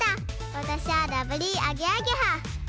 わたしはラブリーアゲアゲハ。